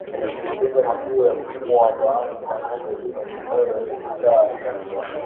Magonjwa makuu ya mfumo wa fahamu kwa ngombe ni majimoyo na kichaa cha mbwa